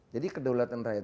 jadi kedaulatan rakyat